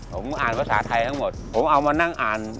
ผมอ่านภาษาไทยทั้งหมดผมเอามานั่งอ่าน